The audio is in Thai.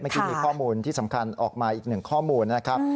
เมื่อกี้มีข้อมูลที่สำคัญออกมาอีกหนึ่งข้อมูลนะครับ